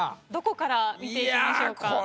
どこから見ていきましょうか？